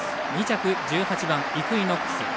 ２着、１８番イクイノックス。